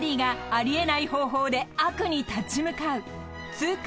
［痛快！